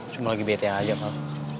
cuma lagi bete aja kal